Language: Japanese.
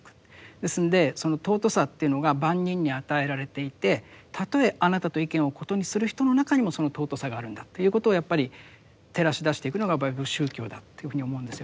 ですんでその尊さというのが万人に与えられていてたとえあなたと意見を異にする人の中にもその尊さがあるんだということをやっぱり照らし出していくのが宗教だっていうふうに思うんですよね。